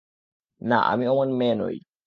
না, আমি অমন মেয়ে নই।